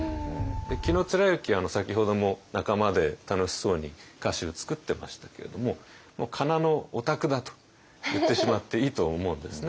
紀貫之先ほども仲間で楽しそうに歌集作ってましたけれどももうかなのオタクだと言ってしまっていいと思うんですね。